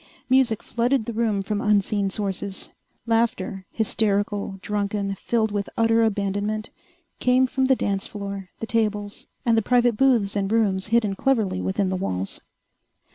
Music flooded the room from unseen sources. Laughter hysterical, drunken, filled with utter abandonment came from the dance floor, the tables, and the private booths and rooms hidden cleverly within the walls.